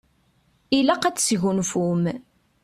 Ilaq ad tesgunfum.